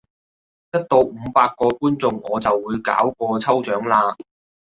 一到五百個觀眾我就會搞個抽獎喇！